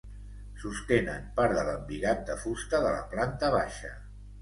Sostenen part de l'embigat de fusta de la planta baixa.